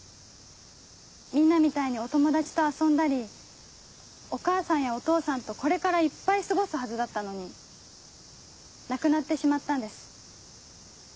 みんなみたいにお友達と遊んだりお母さんやお父さんとこれからいっぱい過ごすはずだったのに亡くなってしまったんです。